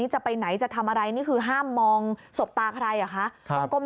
จะไปไหนจะทำอะไรนี่คือห้ามมองสบตาใครเหรอคะ